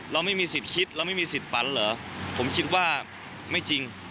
เราไม่มีสิทธิ์คิดเราไม่มีสิทธิ์ฝันเหรอผมคิดว่าไม่จริง